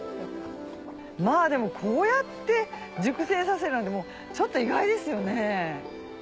でもこうやって熟成させるなんてちょっと意外ですよね。